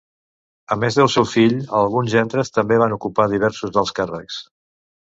A més del seu fill, alguns gendres també van ocupar diversos alts càrrecs.